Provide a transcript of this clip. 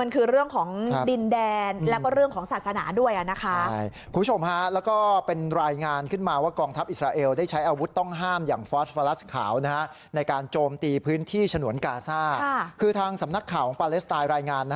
คือทางสำนักข่าวของพาเลสไตล์รายงาน